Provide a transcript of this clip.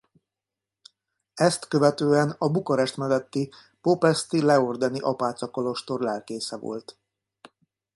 Ezt követően a Bukarest melletti Popesti-Leorden-i apácakolostor lelkésze volt.